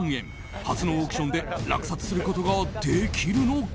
初のオークションで落札することができるのか？